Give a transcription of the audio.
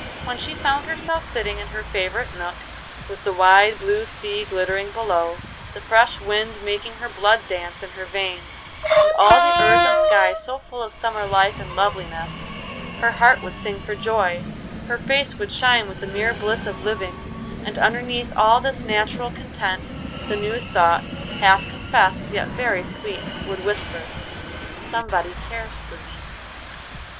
When she found herself sitting in her favorite nook, with the wide, blue sea glittering below, the fresh wind making her blood dance in her veins, and all the earth and sky so full of summer life and loveliness, her heart would sing for joy, her face would shine with the mere bliss of living, and underneath all this natural content the new thought, half confessed, yet very sweet, would whisper, "Somebody cares for me."